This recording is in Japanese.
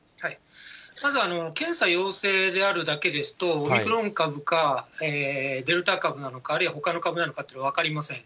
ただ検査陽性であるだけですと、オミクロン株か、デルタ株なのか、あるいは、ほかの株なのかというのは分かりません。